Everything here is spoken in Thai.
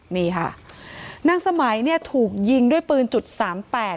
นี่ค่ะนางสมัยเนี่ยถูกยิงด้วยปืนจุดสามแปด